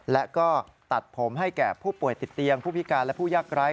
และก็ตัดผมให้แก่ผู้ป่วยติดเตียงผู้พิการและผู้ยากไร้